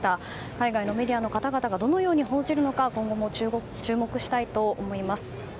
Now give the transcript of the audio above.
海外のメディアの方々がどのように報じるのか今後も注目したいと思います。